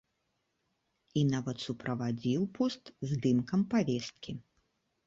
І нават суправадзіў пост здымкам павесткі.